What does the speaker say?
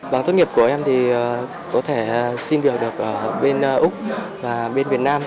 bằng tốt nghiệp của em thì có thể xin việc được ở bên úc và bên việt nam